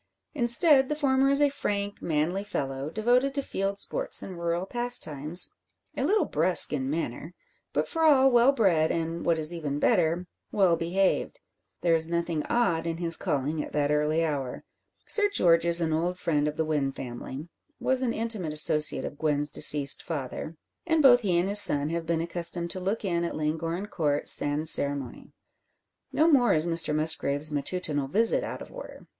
Instead, the former is a frank, manly fellow, devoted to field sports and rural pastimes, a little brusque in manner, but for all well bred, and, what is even better, well behaved. There is nothing odd in his calling at that early hour. Sir George is an old friend of the Wynn family was an intimate associate of Gwen's deceased father and both he and his son have been accustomed to look in at Llangorren Court sans ceremonie. No more is Mr Musgrave's matutinal visit out of order.